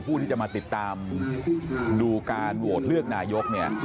ผู้ที่จะมาติดตามดูการโหวตเลือกนายกเนี่ย